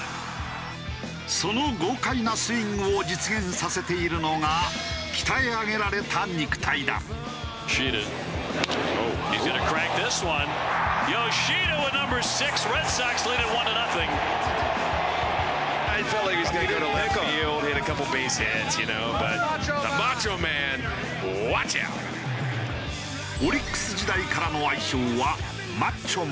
その豪快なスイングを実現させているのがオリックス時代からの愛称はマッチョマン。